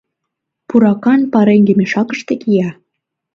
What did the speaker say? — Пуракан пареҥге мешакыште кия.